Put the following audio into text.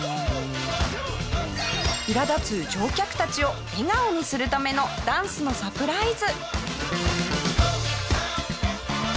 いら立つ乗客たちを笑顔にするためのダンスのサプライズ。